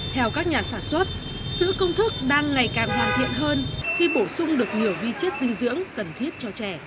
theo các nhà sản xuất sữa công thức đang ngày càng hoàn thiện hơn khi bổ sung được nhiều vi chất dinh dưỡng cần thiết cho trẻ